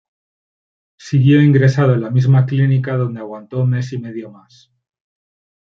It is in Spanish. Siguió ingresado en la misma clínica donde aguantó mes y medio más.